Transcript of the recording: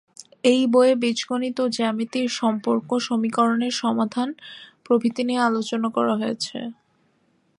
এই বইয়ে বীজগণিত ও জ্যামিতির সম্পর্ক, সমীকরণের সমাধান প্রভৃতি নিয়ে আলোচনা করা হয়েছে।